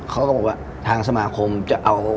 เขาก็บอกว่าทางสมาคมจะเอา